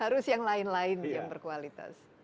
harus yang lain lain yang berkualitas